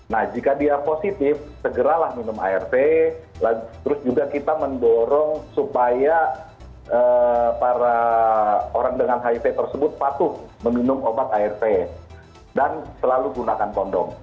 nah jika dia positif segeralah minum arv terus juga kita mendorong supaya para orang dengan hiv tersebut patuh meminum obat arv dan selalu gunakan kondom